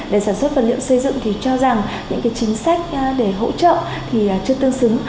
để sản xuất vật liệu xây dựng thì cho rằng những chính sách để hỗ trợ thì chưa tương xứng